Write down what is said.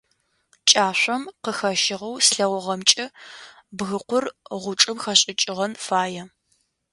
Кӏашъом къыхэщыгъэу слъэгъугъэмкӏэ, бгыкъур гъучӏым хэшӏыкӏыгъэн фае.